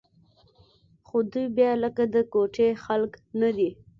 خو دوى بيا لکه د کوټې خلق نه دي.